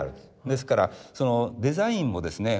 ですからデザインもですね